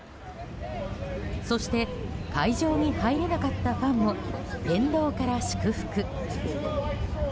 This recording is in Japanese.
そして会場に入れなかったファンも沿道から祝福。